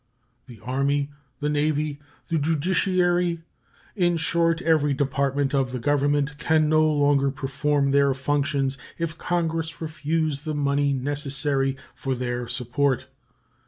The Army, the Navy, the judiciary, in short, every department of the Government, can no longer perform their functions if Congress refuse the money necessary for their support.